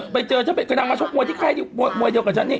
ไปเจอชั่วโมยใครมวยเดียวกับฉัน